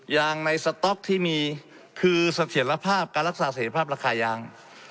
ยางในสต๊อกที่มีคือเสถียรภาพการรักษาเสร็จภาพราคายาง